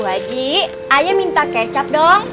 wajib ayo minta kecap dong